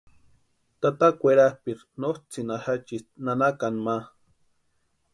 Tata kwerapʼiri nótsʼïni axachisti nanakani ma.